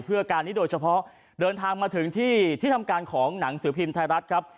เพื่อการนี้โดยเฉพาะเดินทางมาถึงที่ที่ทำการของหนังสือพิมพ์ไทยรัฐครับ